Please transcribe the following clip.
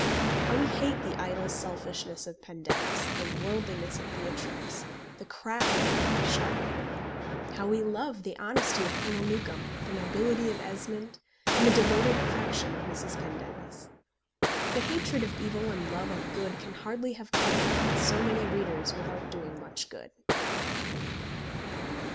How we hate the idle selfishness of Pendennis, the worldliness of Beatrix, the craft of Becky Sharpe! how we love the honesty of Colonel Newcombe, the nobility of Esmond, and the devoted affection of Mrs. Pendennis! The hatred of evil and love of good can hardly have come upon so many readers without doing much good.